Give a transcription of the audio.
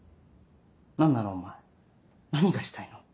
何なのお前何がしたいの？